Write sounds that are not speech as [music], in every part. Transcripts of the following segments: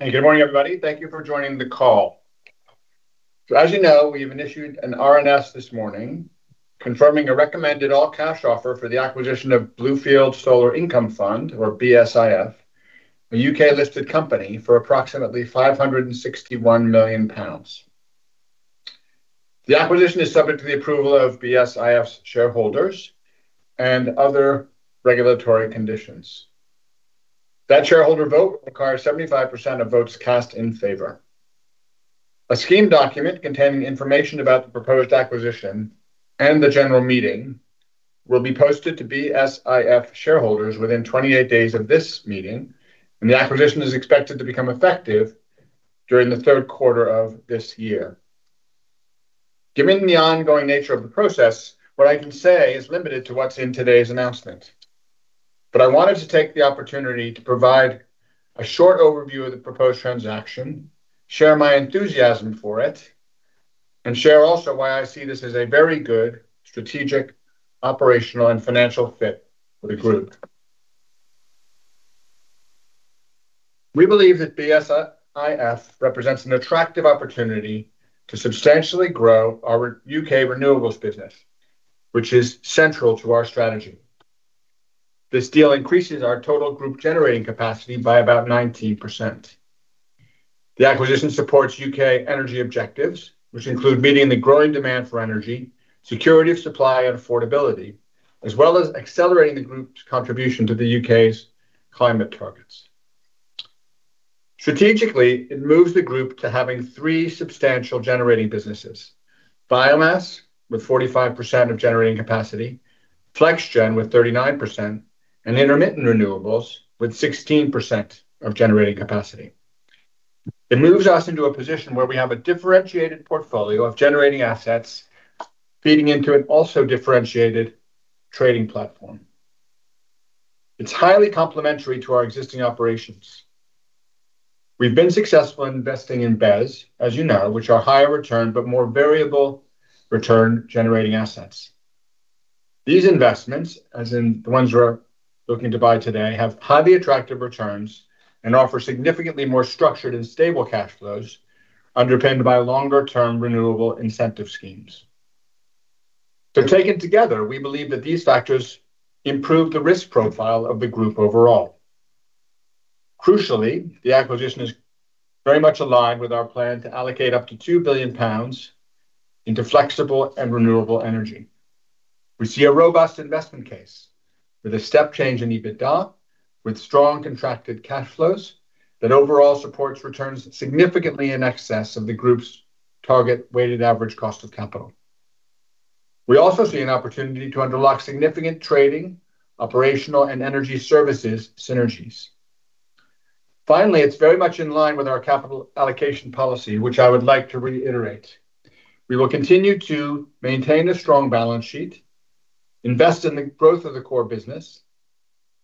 Hey, good morning, everybody. Thank you for joining the call. As you know, we've issued an RNS this morning confirming a recommended all-cash offer for the acquisition of Bluefield Solar Income Fund, or BSIF, a U.K.-listed company, for approximately 561 million pounds. The acquisition is subject to the approval of BSIF's shareholders and other regulatory conditions. That shareholder vote requires 75% of votes cast in favor. A scheme document containing information about the proposed acquisition and the general meeting will be posted to BSIF shareholders within 28 days of this meeting, and the acquisition is expected to become effective during the third quarter of this year. Given the ongoing nature of the process, what I can say is limited to what's in today's announcement. I wanted to take the opportunity to provide a short overview of the proposed transaction, share my enthusiasm for it, and share also why I see this as a very good strategic, operational, and financial fit for the group. We believe that BSIF represents an attractive opportunity to substantially grow our U.K. renewables business, which is central to our strategy. This deal increases our total group generating capacity by about 19%. The acquisition supports U.K. energy objectives, which include meeting the growing demand for energy, security of supply, and affordability, as well as accelerating the group's contribution to the U.K.'s climate targets. Strategically, it moves the group to having three substantial generating businesses: biomass, with 45% of generating capacity, FlexGen, with 39%, and intermittent renewables, with 16% of generating capacity. It moves us into a position where we have a differentiated portfolio of generating assets feeding into an also differentiated trading platform. It's highly complementary to our existing operations. We've been successful investing in BESS, as you know, which are higher return but more variable return-generating assets. These investments, as in the ones we're looking to buy today, have highly attractive returns and offer significantly more structured and stable cash flows underpinned by longer-term renewable incentive schemes. Taken together, we believe that these factors improve the risk profile of the group overall. Crucially, the acquisition is very much aligned with our plan to allocate up to 2 billion pounds into flexible and renewable energy. We see a robust investment case with a step change in EBITDA, with strong contracted cash flows that overall supports returns significantly in excess of the group's target weighted average cost of capital. We also see an opportunity to unlock significant trading, operational, and energy services synergies. It's very much in line with our capital allocation policy, which I would like to reiterate. We will continue to maintain a strong balance sheet, invest in the growth of the core business,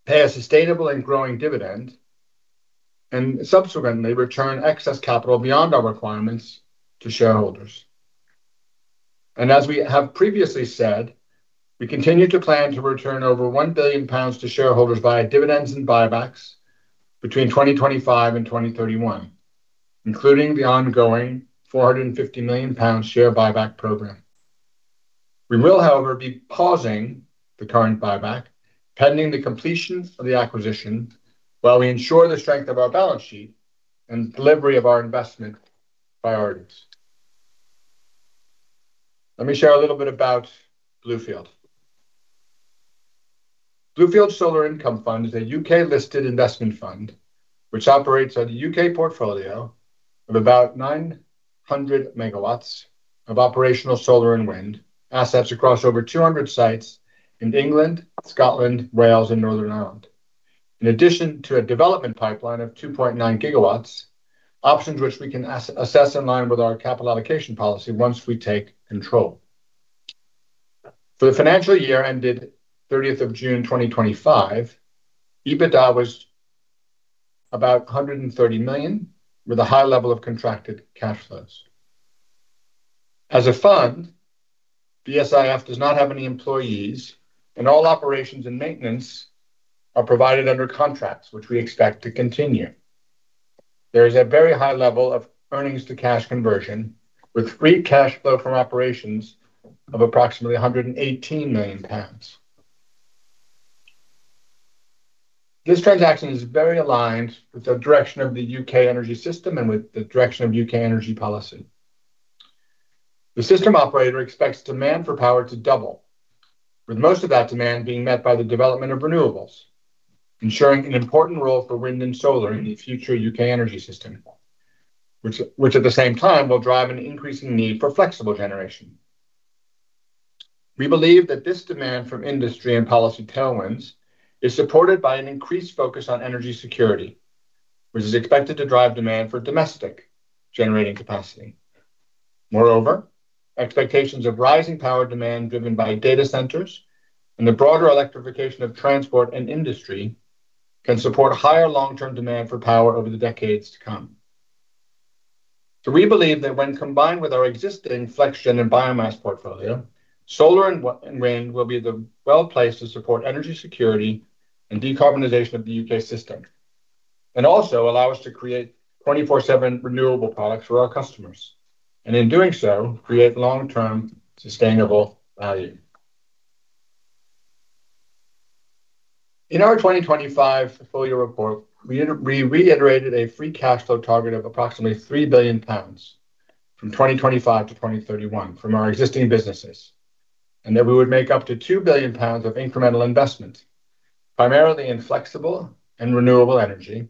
pay a sustainable and growing dividend, and subsequently return excess capital beyond our requirements to shareholders. As we have previously said, we continue to plan to return over 1 billion pounds to shareholders via dividends and buybacks between 2025 and 2031, including the ongoing 450 million pound share buyback program. We will, however, be pausing the current buyback, pending the completion of the acquisition, while we ensure the strength of our balance sheet and delivery of our investment priorities. Let me share a little bit about Bluefield. Bluefield Solar Income Fund is a U.K.-listed investment fund, which operates a U.K. portfolio of about 900 MW of operational solar and wind assets across over 200 sites in England, Scotland, Wales, and Northern Ireland. In addition to a development pipeline of 2.9 GW, options which we can assess in line with our capital allocation policy once we take control. For the financial year ended 30th of June 2025, EBITDA was about 130 million, with a high level of contracted cash flows. As a fund, BSIF does not have any employees, and all operations and maintenance are provided under contracts, which we expect to continue. There is a very high level of earnings to cash conversion, with free cash flow from operations of approximately GBP 118 million. This transaction is very aligned with the direction of the U.K. energy system and with the direction of U.K. energy policy. The system operator expects demand for power to double, with most of that demand being met by the development of renewables, ensuring an important role for wind and solar in the future U.K. energy system, which at the same time will drive an increasing need for flexible generation. We believe that this demand from industry and policy tailwinds is supported by an increased focus on energy security, which is expected to drive demand for domestic generating capacity. Moreover, expectations of rising power demand driven by data centers and the broader electrification of transport and industry can support higher long-term demand for power over the decades to come. We believe that when combined with our existing FlexGen and biomass portfolio, solar and wind will be well-placed to support energy security and decarbonization of the U.K. system, and also allow us to create 24/7 renewable products for our customers, and in doing so, create long-term sustainable value. In our 2025 full-year report, we reiterated a free cash flow target of approximately 3 billion pounds, from 2025 to 2031 from our existing businesses, and that we would make up to 2 billion pounds of incremental investment, primarily in flexible and renewable energy,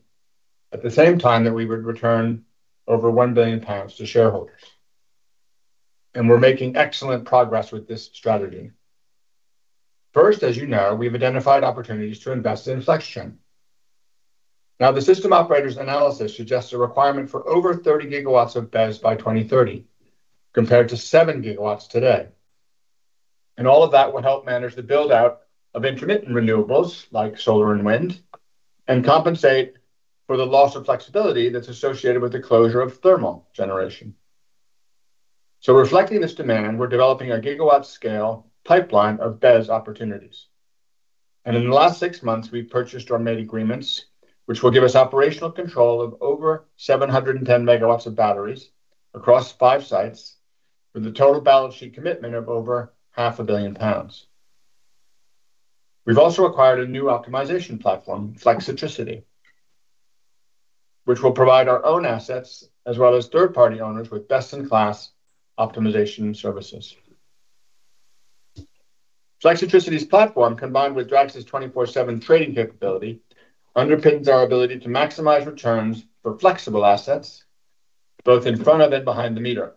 at the same time that we would return over 1 billion pounds to shareholders. We're making excellent progress with this strategy. First, as you know, we've identified opportunities to invest in FlexGen. The system operator's analysis suggests a requirement for over 30 GW of BESS by 2030, compared to 7 GW today. All of that will help manage the build-out of intermittent renewables like solar and wind, and compensate for the loss of flexibility that's associated with the closure of thermal generation. Reflecting this demand, we're developing a gigawatt scale pipeline of BESS opportunities. In the last six months, we've purchased or made agreements, which will give us operational control of over 710 MW of batteries across five sites, with a total balance sheet commitment of over half a billion pounds. We've also acquired a new optimization platform, Flexitricity, which will provide our own assets, as well as third-party owners, with best-in-class optimization services. Flexitricity's platform, combined with Drax's 24/7 trading capability, underpins our ability to maximize returns for flexible assets, both in front of and behind the meter,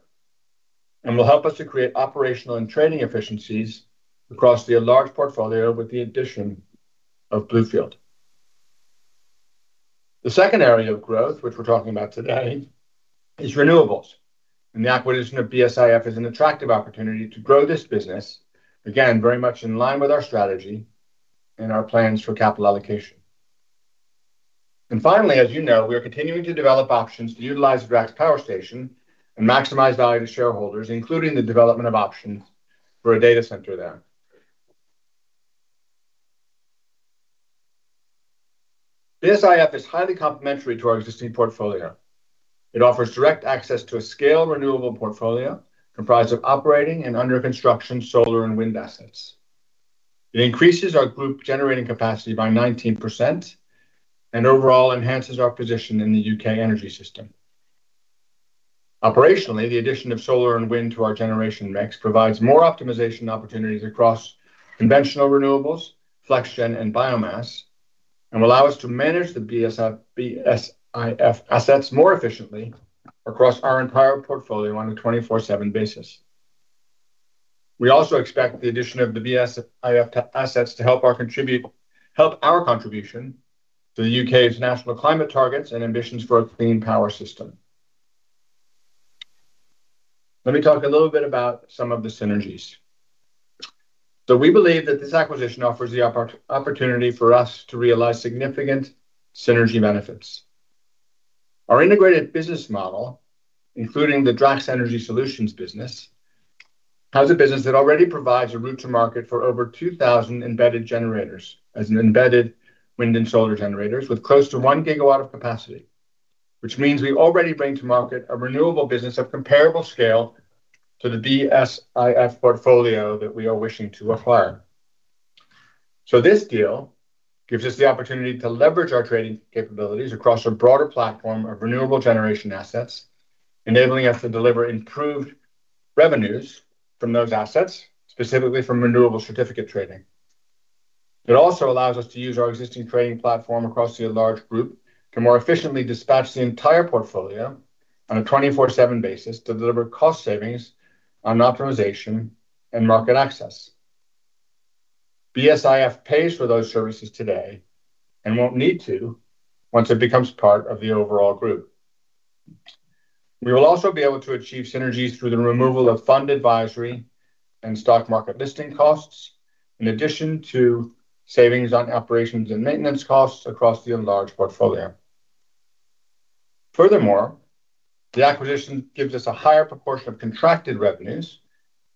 and will help us to create operational and trading efficiencies across the enlarged portfolio with the addition of Bluefield. The second area of growth, which we're talking about today, is renewables. The acquisition of BSIF is an attractive opportunity to grow this business, again, very much in line with our strategy and our plans for capital allocation. Finally, as you know, we are continuing to develop options to utilize Drax's power station and maximize value to shareholders, including the development of options for a data center there. BSIF is highly complementary to our existing portfolio. It offers direct access to a scale renewable portfolio comprised of operating and under-construction solar and wind assets. It increases our group generating capacity by 19% and overall enhances our position in the U.K. energy system. Operationally, the addition of solar and wind to our generation mix provides more optimization opportunities across conventional renewables, FlexGen, and biomass, and will allow us to manage the BSIF assets more efficiently across our entire portfolio on a 24/7 basis. We also expect the addition of the BSIF assets to help our contribution to the U.K.'s national climate targets and ambitions for a clean power system. Let me talk a little bit about some of the synergies. We believe that this acquisition offers the opportunity for us to realize significant synergy benefits. Our integrated business model, including the Drax Energy Solutions business, has a business that already provides a route to market for over 2,000 embedded generators as embedded wind and solar generators with close to 1 GW of capacity, which means we already bring to market a renewable business of comparable scale to the BSIF portfolio that we are wishing to acquire. This deal gives us the opportunity to leverage our trading capabilities across a broader platform of renewable generation assets, enabling us to deliver improved revenues from those assets, specifically from renewable certificate trading. It also allows us to use our existing trading platform across the enlarged group to more efficiently dispatch the entire portfolio on a 24/7 basis to deliver cost savings on optimization and market access. BSIF pays for those services today and won't need to once it becomes part of the overall group. We will also be able to achieve synergies through the removal of fund advisory and stock market listing costs, in addition to savings on operations and maintenance costs across the enlarged portfolio. Furthermore, the acquisition gives us a higher proportion of contracted revenues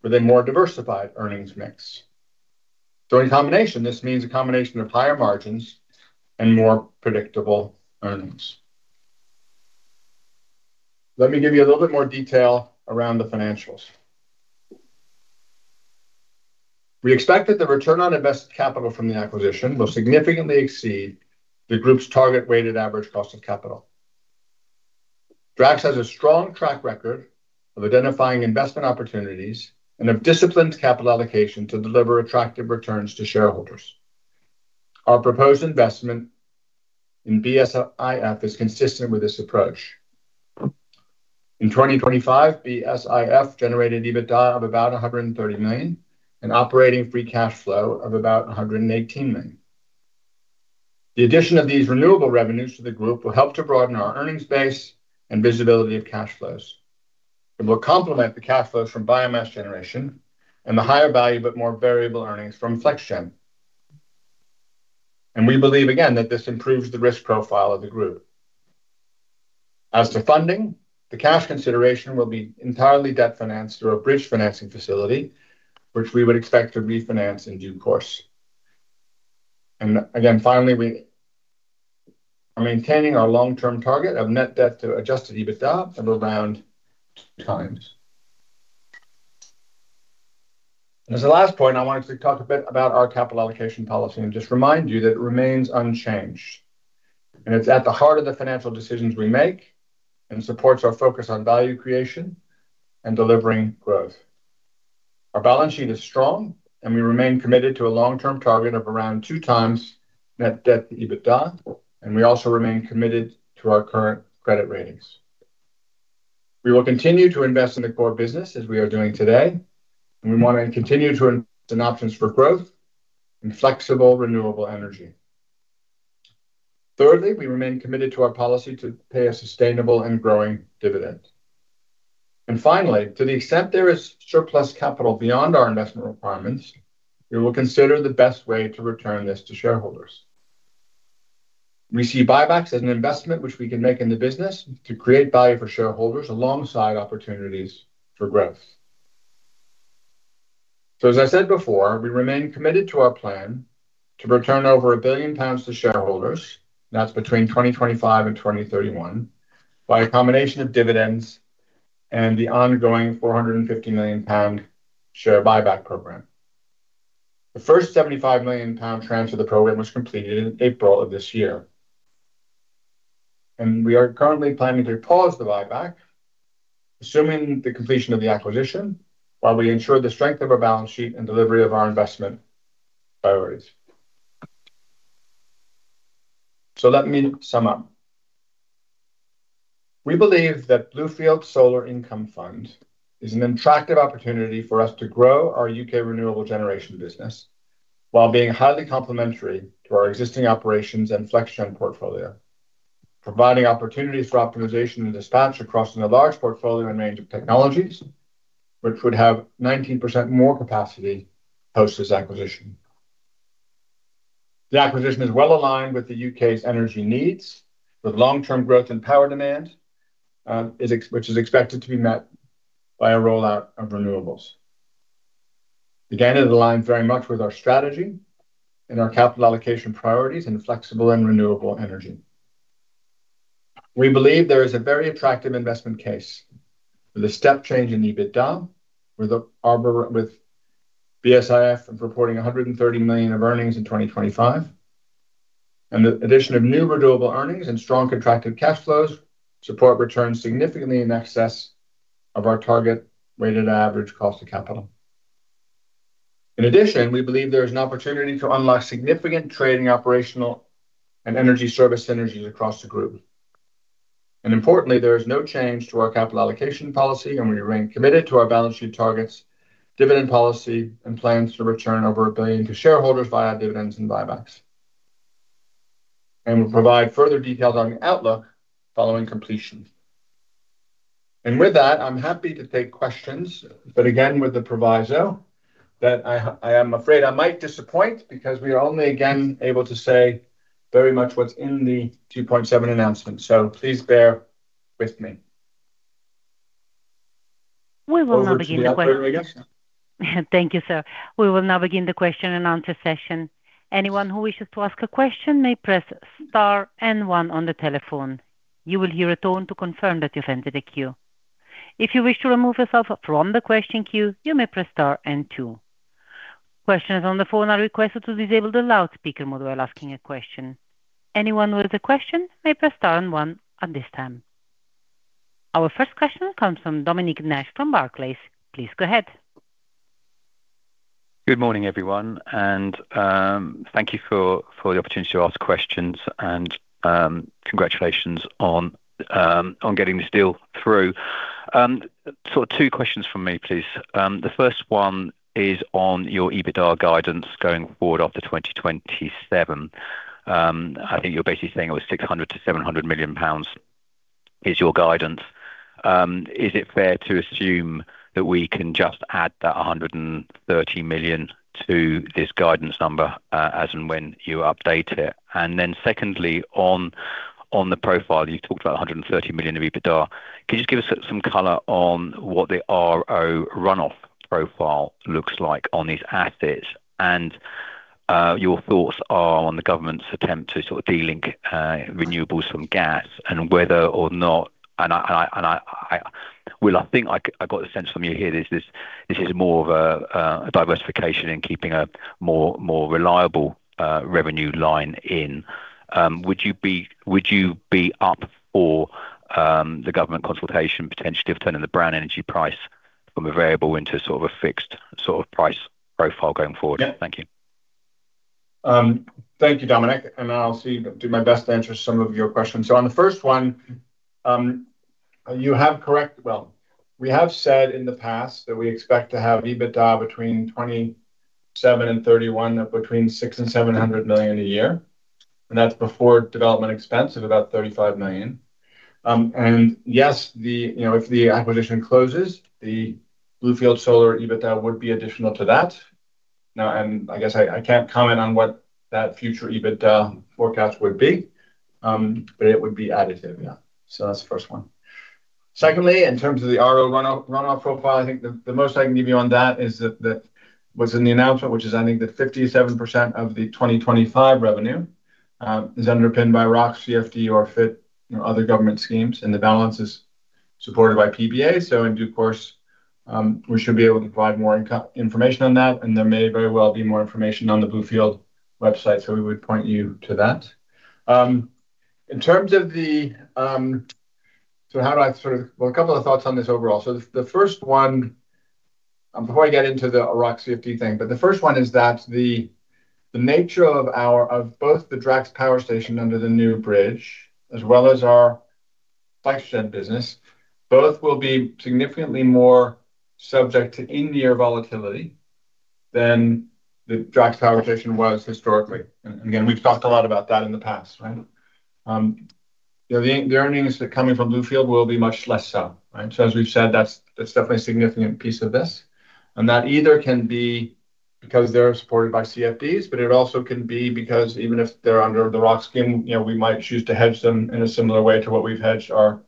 with a more diversified earnings mix. In combination, this means a combination of higher margins and more predictable earnings. Let me give you a little bit more detail around the financials. We expect that the return on invested capital from the acquisition will significantly exceed the group's target weighted average cost of capital. Drax has a strong track record of identifying investment opportunities and of disciplined capital allocation to deliver attractive returns to shareholders. Our proposed investment in BSIF is consistent with this approach. In 2025, BSIF generated EBITDA of about 130 million and operating free cash flow of about 118 million. The addition of these renewable revenues to the group will help to broaden our earnings base and visibility of cash flows. It will complement the cash flows from biomass generation and the higher value, but more variable earnings from FlexGen. We believe, again, that this improves the risk profile of the group. As to funding, the cash consideration will be entirely debt-financed through a bridge financing facility, which we would expect to refinance in due course. Again, finally, we are maintaining our long-term target of net debt-to-adjusted EBITDA of around 2x. As a last point, I wanted to talk a bit about our capital allocation policy and just remind you that it remains unchanged, and it's at the heart of the financial decisions we make and supports our focus on value creation and delivering growth. Our balance sheet is strong, and we remain committed to a long-term target of around 2x net debt-to-EBITDA, and we also remain committed to our current credit ratings. We will continue to invest in the core business as we are doing today, and we want to continue to invest in options for growth and flexible renewable energy. Thirdly, we remain committed to our policy to pay a sustainable and growing dividend. Finally, to the extent there is surplus capital beyond our investment requirements, we will consider the best way to return this to shareholders. We see buybacks as an investment which we can make in the business to create value for shareholders alongside opportunities for growth. As I said before, we remain committed to our plan to return over 1 billion pounds to shareholders, that's between 2025 and 2031, by a combination of dividends and the ongoing 450 million pound share buyback program. The first 75 million pound tranche of the program was completed in April of this year. We are currently planning to pause the buyback, assuming the completion of the acquisition, while we ensure the strength of our balance sheet and delivery of our investment priorities. Let me sum up. We believe that Bluefield Solar Income Fund is an attractive opportunity for us to grow our U.K. renewable generation business while being highly complementary to our existing operations and FlexGen portfolio, providing opportunities for optimization and dispatch across a large portfolio and range of technologies, which would have 19% more capacity post this acquisition. The acquisition is well-aligned with the U.K.'s energy needs, with long-term growth and power demand, which is expected to be met by a rollout of renewables. Again, it aligns very much with our strategy and our capital allocation priorities in flexible and renewable energy. We believe there is a very attractive investment case with a step change in the EBITDA with BSIF and reporting 130 million of earnings in 2025, and the addition of new renewable earnings and strong contracted cash flows support returns significantly in excess of our target weighted average cost of capital. In addition, we believe there is an opportunity to unlock significant trading, operational, and energy service synergies across the group. Importantly, there is no change to our capital allocation policy, and we remain committed to our balance sheet targets, dividend policy, and plans to return over 1 billion to shareholders via dividends and buybacks. We'll provide further details on the outlook following completion. With that, I'm happy to take questions, but again, with the proviso that I am afraid I might disappoint because we are only, again, able to say very much what's in the Section 2.7 announcement, so please bear with me. We will now begin the question. Over to you, operator, I guess. Thank you, sir. We will now begin the question-and-answer session. Anyone who wishes to ask a question may press star and one on the telephone. You will hear a tone to confirm that you've entered a queue. If you wish to remove yourself from the question queue, you may press star and two. Questions on the phone are requested to disable the loudspeaker mode while asking a question. Anyone with a question may press star and one at this time. Our first question comes from Dominic Nash from Barclays. Please go ahead. Good morning, everyone, and, thank you for the opportunity to ask questions and, congratulations on getting this deal through. Two questions from me, please. The first one is on your EBITDA guidance going forward after 2027. I think you're basically saying it was 600 million-700 million pounds is your guidance. Is it fair to assume that we can just add that 130 million to this guidance number, as and when you update it? Secondly, on the profile, you talked about 130 million of EBITDA. Can you just give us some color on what the RO runoff profile looks like on these assets, and your thoughts are on the government's attempt to sort of delink renewables from gas and whether or not this is more of a diversification in keeping a more reliable revenue line in. Would you be up for the government consultation potentially of turning the brown energy price from a variable into sort of a fixed sort of price profile going forward? Yeah. Thank you. Thank you, Dominic, I'll do my best to answer some of your questions. On the first one, you have correct. Well, we have said in the past that we expect to have EBITDA between 2027 and 2031, up between 600 million and 700 million a year. That's before development expense of about 35 million. Yes, if the acquisition closes, the Bluefield Solar EBITDA would be additional to that. I guess I can't comment on what that future EBITDA forecast would be, but it would be additive. Yeah. That's the first one. Secondly, in terms of the ROC runoff profile, I think the most I can give you on that is that what's in the announcement, which is, I think, that 57% of the 2025 revenue is underpinned by ROC, CfD, or FIT, other government schemes, and the balance is supported by PPA. In due course, we should be able to provide more information on that, and there may very well be more information on the Bluefield website, so we would point you to that. A couple of thoughts on this overall. The first one, before I get into the ROC CfD thing, but the first one is that the nature of both the Drax power station under the new bridge, as well as our FlexGen business, both will be significantly more subject to in-year volatility than the Drax power station was historically. Again, we've talked a lot about that in the past, right? The earnings that are coming from Bluefield will be much less so. Right? As we've said, that's definitely a significant piece of this. That either can be because they're supported by CfDs, but it also can be because even if they're under the ROC scheme, we might choose to hedge them in a similar way to what we've hedged our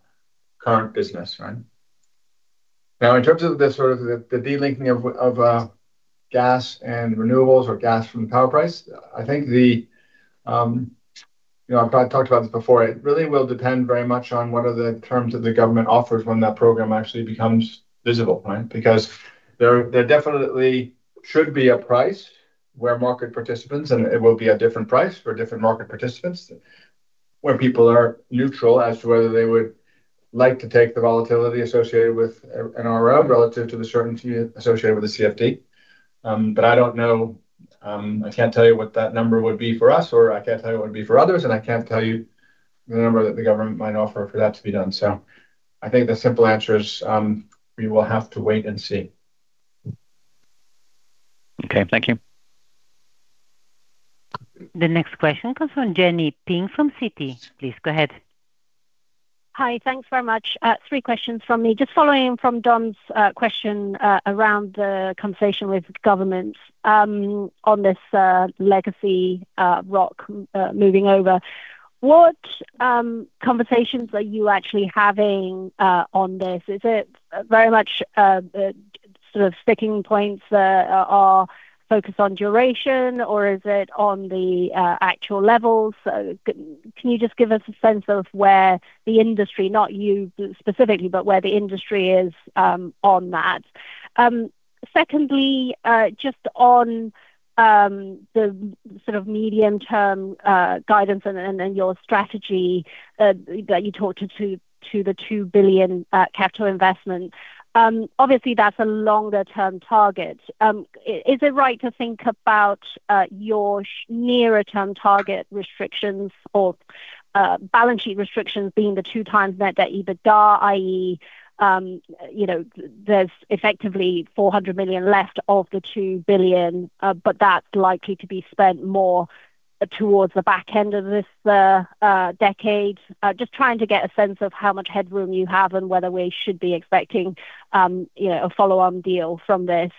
current business, right? In terms of the de-linking of gas and renewables or gas from the power price, I think I've talked about this before. It really will depend very much on what are the terms that the government offers when that program actually becomes visible, right? There definitely should be a price where market participants, and it will be a different price for different market participants, where people are neutral as to whether they would like to take the volatility associated with an RO relative to the certainty associated with a CfD. I don't know, I can't tell you what that number would be for us, or I can't tell you what it would be for others, and I can't tell you the number that the government might offer for that to be done. I think the simple answer is, we will have to wait and see. Okay. Thank you. The next question comes from Jenny Ping from Citi. Please go ahead. Hi. Thanks very much. Three questions from me. Just following from Dom's question around the conversation with government on this legacy ROC moving over, what conversations are you actually having on this? Is it very much sort of sticking points that are focused on duration, or is it on the actual levels? Can you just give us a sense of where the industry, not you specifically, but where the industry is on that? Secondly, just on the sort of medium-term guidance and your strategy that you talked to the 2 billion capital investment. Obviously, that's a longer-term target. Is it right to think about your nearer-term target restrictions or balance sheet restrictions being the 2x net debt-EBITDA, i.e., there's effectively 400 million left of the 2 billion, but that's likely to be spent more towards the back end of this decade? Just trying to get a sense of how much headroom you have and whether we should be expecting a follow-on deal from this.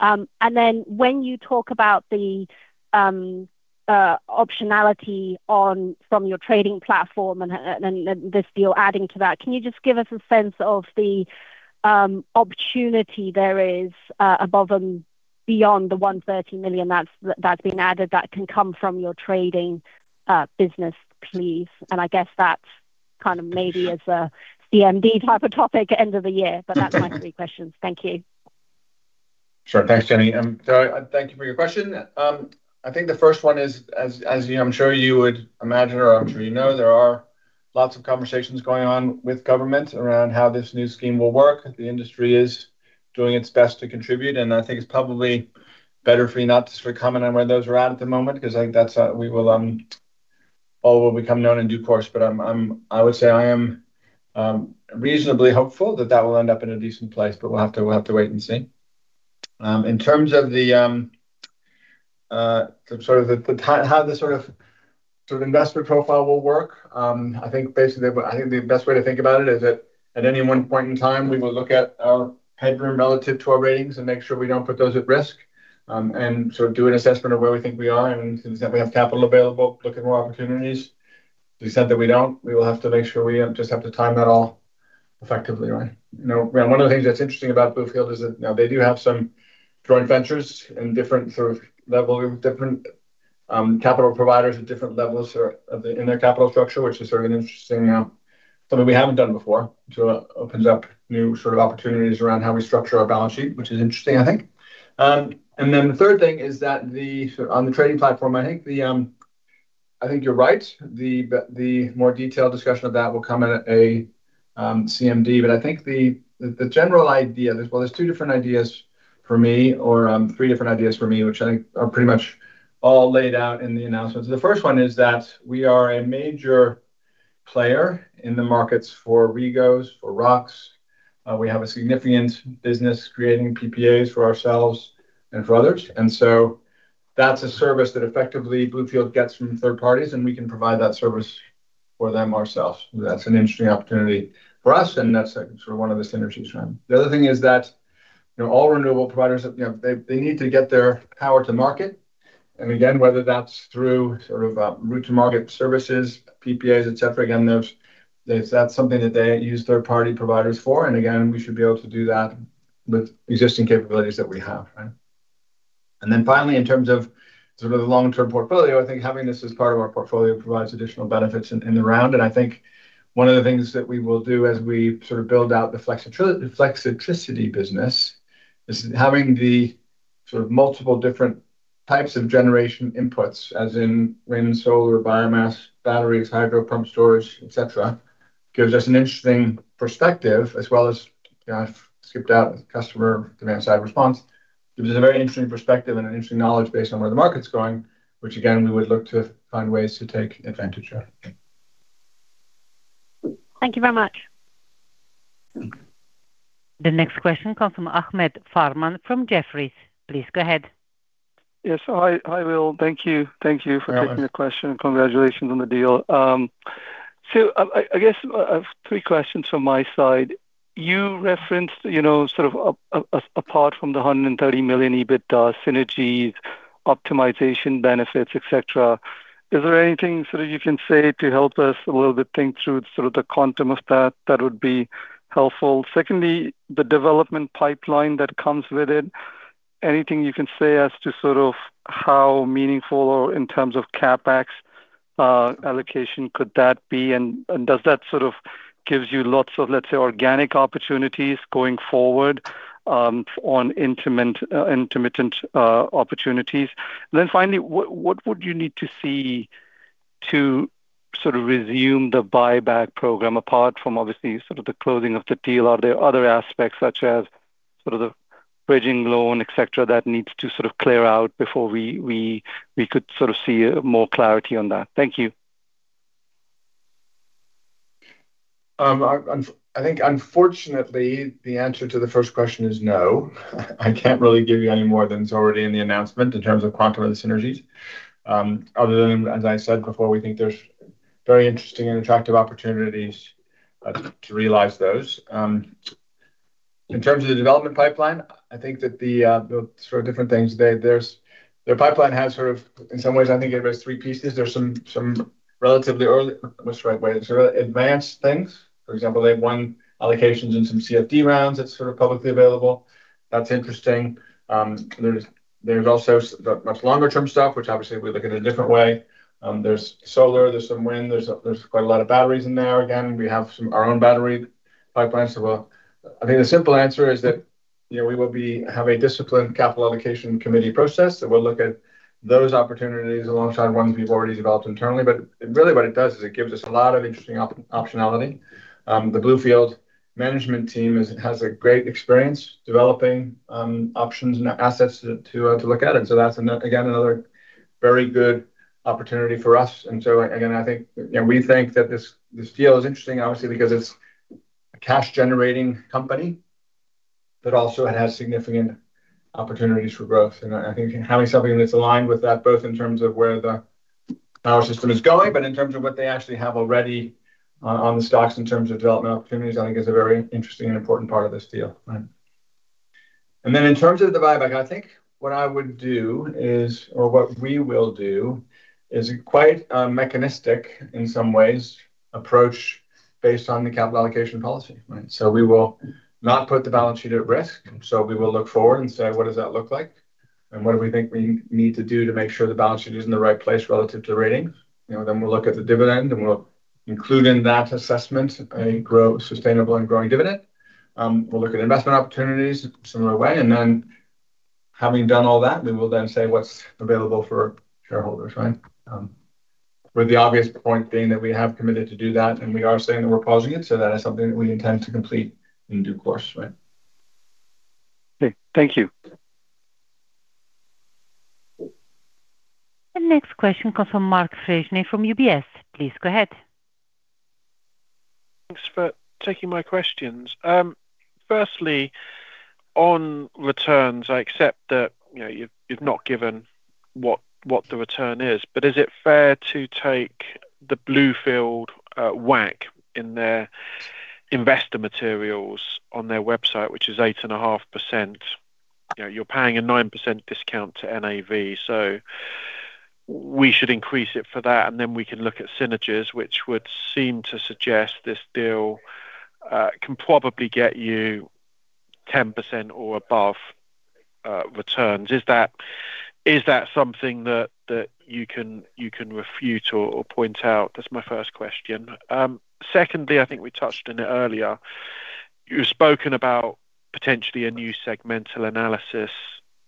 When you talk about the optionality from your trading platform and this deal adding to that, can you just give us a sense of the opportunity there is above and beyond the 130 million that's been added that can come from your trading business, please? I guess that's kind of maybe as a CMD type of topic end of the year, but that's my three questions. Thank you. Sure. Thanks, Jenny. Thank you for your question. I think the first one is, as I’m sure you would imagine, or I’m sure you know, there are lots of conversations going on with government around how this new scheme will work. The industry is doing its best to contribute, and I think it’s probably better for me not to sort of comment on where those are at at the moment, because I think all will become known in due course. I would say I am reasonably hopeful that that will end up in a decent place, but we’ll have to wait and see. In terms of how the sort of investment profile will work, I think basically the best way to think about it is that at any one point in time, we will look at our headroom relative to our ratings and make sure we don't put those at risk. Do an assessment of where we think we are, and since we have capital available, look at more opportunities. To the extent that we don't, we will have to make sure we just have to time that all effectively, right? One of the things that's interesting about Bluefield is that now they do have some joint ventures in different sort of level, different capital providers at different levels in their capital structure, which is sort of an interesting something we haven't done before. It opens up new sort of opportunities around how we structure our balance sheet, which is interesting, I think. The third thing is that on the trading platform, I think you're right. The more detailed discussion of that will come at a CMD. I think the general idea, there's two different ideas for me, or three different ideas for me, which I think are pretty much all laid out in the announcements. The first one is that we are a major player in the markets for REGOs, for ROCs. We have a significant business creating PPAs for ourselves and for others. That's a service that effectively Bluefield gets from third-parties, and we can provide that service for them ourselves. That's an interesting opportunity for us, and that's one of the synergies from them. The other thing is that all renewable providers, they need to get their power to market. Whether that's through route-to-market services, PPAs, et cetera, again, that's something that they use third-party providers for, and again, we should be able to do that with existing capabilities that we have. Right. Finally, in terms of the long-term portfolio, I think having this as part of our portfolio provides additional benefits in the round. I think one of the things that we will do as we build out the Flexitricity business is having the multiple different types of generation inputs, as in wind and solar, biomass, batteries, hydro, pumped storage, et cetera, gives us an interesting perspective as well as, I've skipped out customer demand side response. Gives us a very interesting perspective and an interesting knowledge base on where the market's going, which again, we would look to find ways to take advantage of. Thank you very much. [audio distortion] The next question comes from Ahmed Farman from Jefferies. Please go ahead. Yes. Hi, Will. Thank you. Hi, Ahmed. taking the question, and congratulations on the deal. I guess I have three questions from my side. You referenced apart from the 130 million EBITDA synergies, optimization benefits, et cetera, is there anything you can say to help us a little bit think through the quantum of that that would be helpful? Secondly, the development pipeline that comes with it, anything you can say as to how meaningful or in terms of CapEx allocation could that be, and does that gives you lots of, let's say, organic opportunities going forward on intermittent opportunities? Finally, what would you need to see to resume the buyback program, apart from obviously the closing of the deal? Are there other aspects such as the bridging loan, et cetera, that needs to clear out before we could see more clarity on that? Thank you. I think unfortunately the answer to the first question is no. I can't really give you any more than is already in the announcement in terms of quantum or the synergies. Other than, as I said before, we think there's very interesting and attractive opportunities to realize those. In terms of the development pipeline, I think that the different things. Their pipeline has, in some ways, I think it has three pieces. There's some relatively early, what's the right way, advanced things. For example, they've won allocations in some CfD rounds that's publicly available. That's interesting. There's also the much longer-term stuff, which obviously we look at in a different way. There's solar, there's some wind, there's quite a lot of batteries in there. We have our own battery pipelines as well. I think the simple answer is that we will have a disciplined capital allocation committee process that will look at those opportunities alongside ones we've already developed internally. Really what it does is it gives us a lot of interesting optionality. The Bluefield management team has a great experience developing options and assets to look at it. That's, again, another very good opportunity for us. Again, we think that this deal is interesting, obviously because it's a cash-generating company that also has significant opportunities for growth. I think having something that's aligned with that, both in terms of where the power system is going, but in terms of what they actually have already on the stocks in terms of development opportunities, I think is a very interesting and important part of this deal. Right. Then in terms of the buyback, I think what I would do is, or what we will do is quite a mechanistic, in some ways, approach based on the capital allocation policy. Right. We will not put the balance sheet at risk. We will look forward and say, what does that look like? What do we think we need to do to make sure the balance sheet is in the right place relative to ratings? We'll look at the dividend, and we'll include in that assessment a sustainable and growing dividend. We'll look at investment opportunities in a similar way. Then having done all that, we will then say what's available for shareholders, right? With the obvious point being that we have committed to do that, we are saying that we're pausing it, that is something that we intend to complete in due course. Right. Okay. Thank you. The next question comes from Mark Freshney from UBS. Please go ahead. Thanks for taking my questions. Firstly, on returns, I accept that you've not given what the return is. Is it fair to take the Bluefield WACC in their investor materials on their website, which is 8.5%? You're paying a 9% discount to NAV. We should increase it for that, and then we can look at synergies, which would seem to suggest this deal can probably get you 10% or above returns. Is that something that you can refute or point out? That's my first question. Secondly, I think we touched on it earlier. You've spoken about potentially a new segmental analysis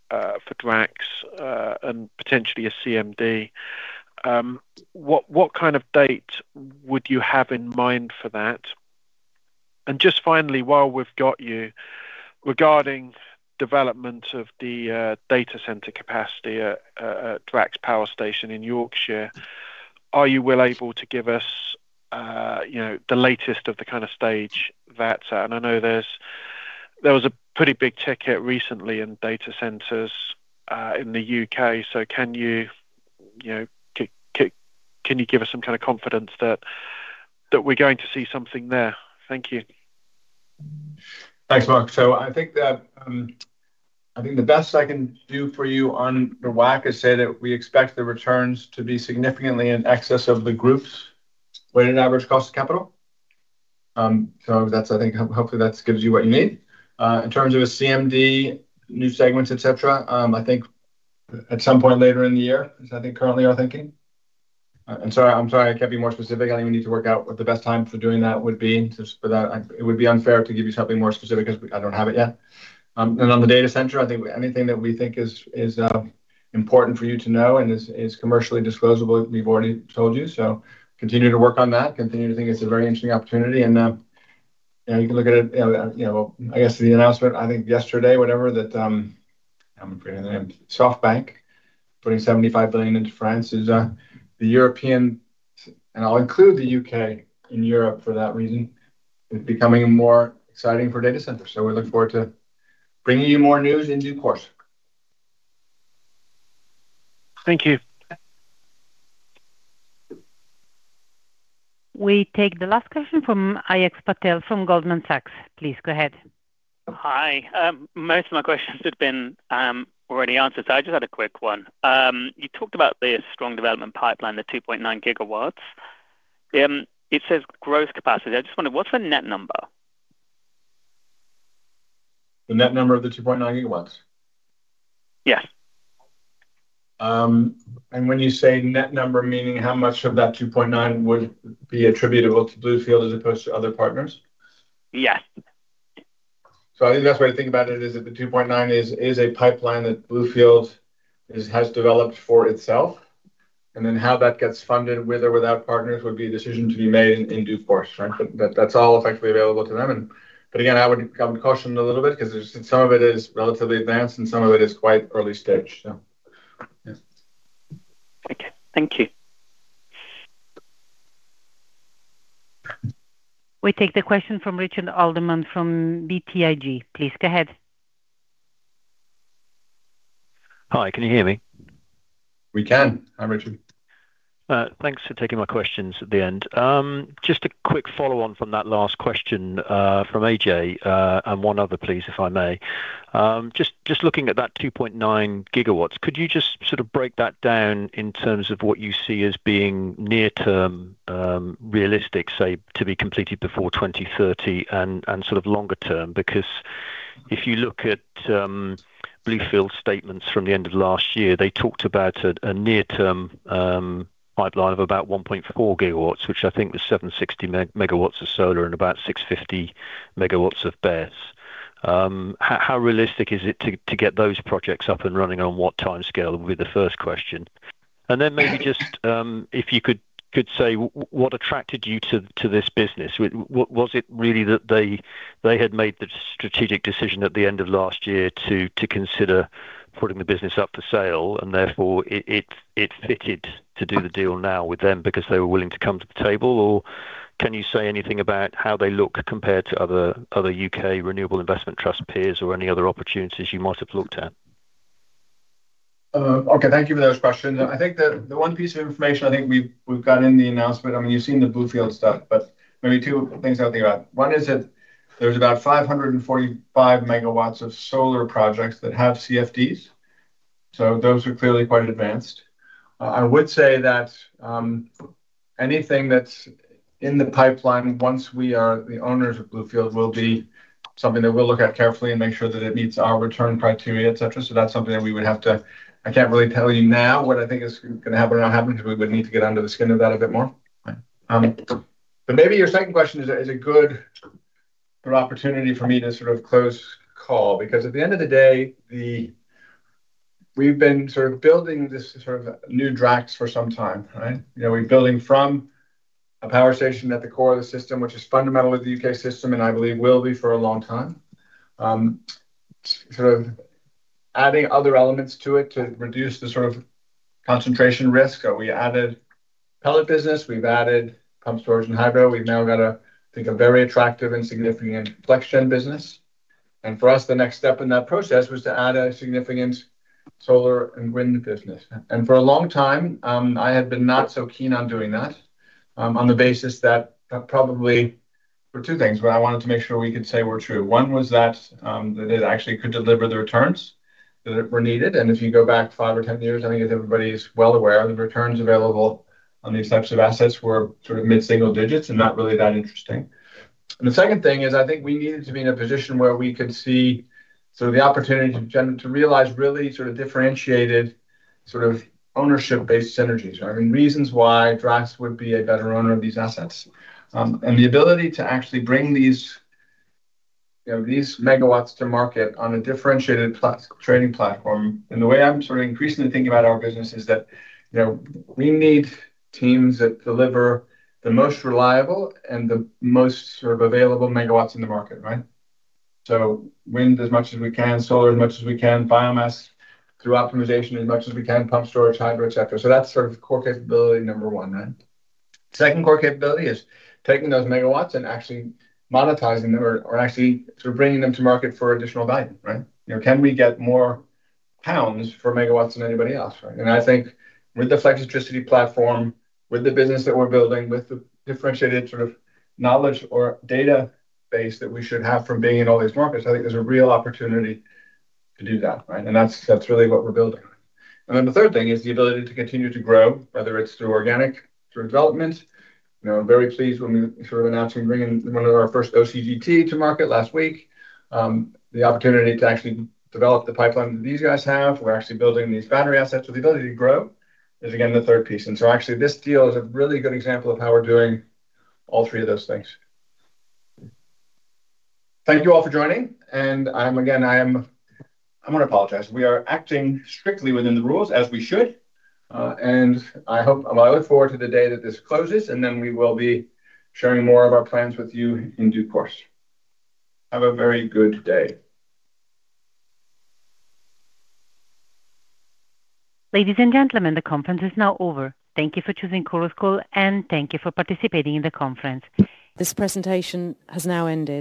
for Drax, and potentially a CMD. What kind of date would you have in mind for that? Just finally, while we've got you, regarding development of the data center capacity at Drax Power Station in Yorkshire, are you well able to give us the latest of the kind of stage that's at? I know there was a pretty big ticket recently in data centers in the U.K. Can you give us some kind of confidence that we're going to see something there? Thank you. Thanks, Mark. I think the best I can do for you on the WACC is say that we expect the returns to be significantly in excess of the group's weighted average cost of capital. Hopefully that gives you what you need. In terms of a CMD, new segments, et cetera, I think at some point later in the year is I think currently our thinking. I'm sorry I can't be more specific. I think we need to work out what the best time for doing that would be. It would be unfair to give you something more specific because I don't have it yet. On the data center, I think anything that we think is important for you to know and is commercially disclosable, we've already told you. Continue to work on that, continue to think it's a very interesting opportunity, and you can look at it, I guess the announcement, I think yesterday, whatever, that, I'm forgetting the name, SoftBank putting 75 billion into France. The European, and I'll include the U.K. and Europe for that reason, is becoming more exciting for data centers. We look forward to bringing you more news in due course. Thank you. We take the last question from Ajay Patel from Goldman Sachs. Please go ahead. Hi. Most of my questions have been already answered. I just had a quick one. You talked about the strong development pipeline, the 2.9 GW. It says growth capacity. I just wonder, what's the net number? The net number of the 2.9 GW? Yes. When you say net number, meaning how much of that 2.9 GW would be attributable to Bluefield as opposed to other partners? Yes. I think the best way to think about it is if the 2.9 GW is a pipeline that Bluefield has developed for itself, and then how that gets funded with or without partners would be a decision to be made in due course, right? That's all effectively available to them. Again, I would caution a little bit because some of it is relatively advanced and some of it is quite early stage. Yes. Okay. Thank you. We take the question from Richard Alderman from BTIG. Please go ahead. Hi, can you hear me? We can. Hi, Richard. Thanks for taking my questions at the end. Just a quick follow-on from that last question from Ajay, and one other please, if I may. Just looking at that 2.9 GW, could you just sort of break that down in terms of what you see as being near term, realistic, say to be completed before 2030, and sort of longer term? Because if you look at Bluefield statements from the end of last year, they talked about a near-term pipeline of about 1.4 GW, which I think was 760 MW of solar and about 650 MW of BESS. How realistic is it to get those projects up and running, on what time scale, would be the first question. Then maybe just if you could say what attracted you to this business. Was it really that they had made the strategic decision at the end of last year to consider putting the business up for sale, and therefore it fitted to do the deal now with them because they were willing to come to the table? Can you say anything about how they look compared to other U.K. Renewable Investment Trust peers or any other opportunities you might have looked at? Okay. Thank you for those questions. The one piece of information I think we've got in the announcement, you've seen the Bluefield stuff, maybe two things I would think about. One is that there's about 545 MW of solar projects that have CfDs. Those are clearly quite advanced. I would say that anything that's in the pipeline, once we are the owners of Bluefield, will be something that we'll look at carefully and make sure that it meets our return criteria, et cetera. That's something that we would have to, I can't really tell you now what I think is going to happen or not happen because we would need to get under the skin of that a bit more. Maybe your second question is a good opportunity for me to sort of close call. At the end of the day, we've been sort of building this new Drax for some time, right? We're building from a power station at the core of the system, which is fundamental with the U.K. system, and I believe will be for a long time. Sort of adding other elements to it to reduce the sort of concentration risk. We added pellet business, we've added pumped storage and hydro. We've now got, I think, a very attractive and significant FlexGen business. For us, the next step in that process was to add a significant solar and wind business. For a long time, I had been not so keen on doing that on the basis that probably for two things, but I wanted to make sure we could say were true. One was that it actually could deliver the returns that were needed. If you go back 5 or 10 years, I think everybody's well aware the returns available on these types of assets were sort of mid-single digits and not really that interesting. The second thing is, I think we needed to be in a position where we could see the opportunity to realize really differentiated sort of ownership-based synergies. I mean, reasons why Drax would be a better owner of these assets. The ability to actually bring these megawatts to market on a differentiated trading platform. The way I'm sort of increasingly thinking about our business is that we need teams that deliver the most reliable and the most sort of available megawatts in the market, right? Wind as much as we can, solar as much as we can, biomass through optimization as much as we can, pumped storage, hydro, et cetera. That's sort of core capability number one. Second core capability is taking those megawatts and actually monetizing them or actually bringing them to market for additional value. Can we get more pounds for megawatts than anybody else, right? I think with the Flexitricity platform, with the business that we're building, with the differentiated sort of knowledge or database that we should have from being in all these markets, I think there's a real opportunity to do that. That's really what we're building on. The third thing is the ability to continue to grow, whether it's through organic, through development. I'm very pleased when we announced we're bringing one of our first OCGT to market last week. The opportunity to actually develop the pipeline that these guys have. We're actually building these battery assets with the ability to grow is again the third piece. Actually, this deal is a really good example of how we're doing all three of those things. Thank you all for joining, and again, I want to apologize. We are acting strictly within the rules, as we should. I look forward to the day that this closes, and then we will be sharing more of our plans with you in due course. Have a very good day. Ladies and gentlemen, the conference is now over. Thank you for choosing Chorus Call, and thank you for participating in the conference. This presentation has now ended.